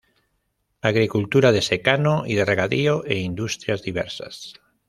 Agricultura de secano y de regadío e industrias diversas.